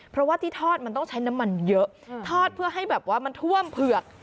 เพราะว่าที่ทอดมันต้องใช้น้ำมันเยอะทอดเพื่อให้แบบว่ามันท่วมเผือก